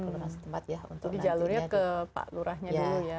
jadi jalurnya ke pak lurahnya dulu ya